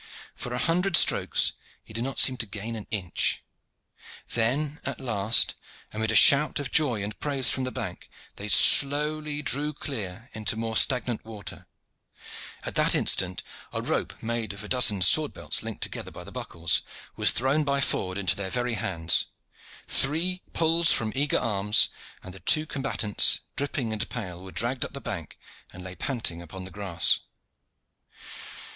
For a hundred strokes he did not seem to gain an inch. Then at last, amid a shout of joy and praise from the bank, they slowly drew clear into more stagnant water, at the instant that a rope, made of a dozen sword belts linked together by the buckles, was thrown by Ford into their very hands. Three pulls from eager arms, and the two combatants, dripping and pale, were dragged up the bank, and lay panting upon the grass.